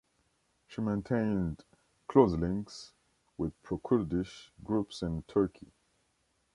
She maintained close links with pro-Kurdish groups in Turkey.